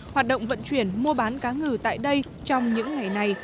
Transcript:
hoạt động vận chuyển mua bán cá ngừ tại đây trong những ngày này